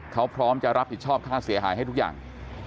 เขาพร้อมจะรับผิดชอบค่าเสียหายให้ทุกอย่าง